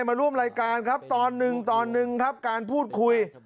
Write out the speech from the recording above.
มาร่วมรายการครับตอนหนึ่งตอนหนึ่งครับการพูดคุย